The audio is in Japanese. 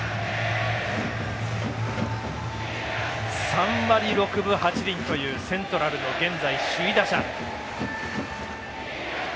３割６分８厘というセントラルの現在、首位打者。